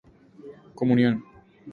Comunión